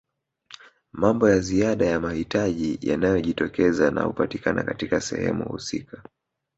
Mambo ya ziada ya mahitaji yanayojitokeza na hupatikana katika sehemu husika